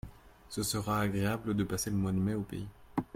Ce sera agréable de passer le mois de mai au pays.